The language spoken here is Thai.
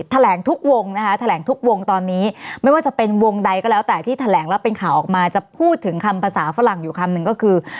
แถลงทุกวงนะคะแถลงทุกวงตอนนี้ไม่ว่าจะเป็นวงใดก็แล้วแต่ที่แถลงแล้วเป็นข่าวออกมาจะพูดถึงคำภาษาฝรั่งอยู่คำหนึ่งก็คือ